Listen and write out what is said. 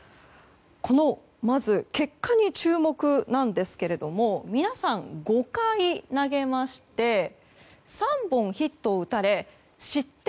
まず結果に注目なんですけども皆さん、５回投げまして３本ヒットを打たれ失点